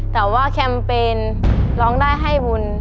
แต่ว่าแคมเปญร้องได้ให้บุญ